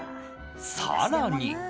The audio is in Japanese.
更に。